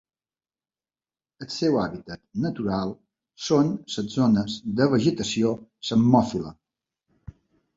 El seu hàbitat natural són les zones de vegetació psammòfila.